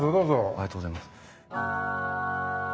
ありがとうございます。